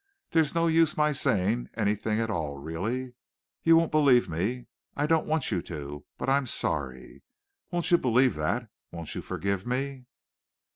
There's no use my saying anything at all, really. You won't believe me. I don't want you to; but I'm sorry. Won't you believe that? Won't you forgive me?"